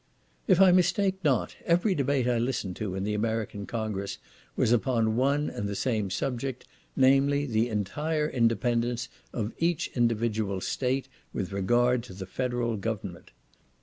If I mistake not, every debate I listened to in the American Congress was upon one and the same subject, namely, the entire independence of each individual state, with regard to the federal government.